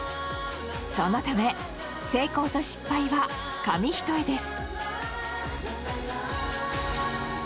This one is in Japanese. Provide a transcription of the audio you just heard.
そのため成功と失敗は紙一重です。